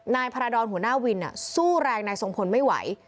นายพาราดรหัวหน้าวินสู้แรงนายทรงพลไม่ไหว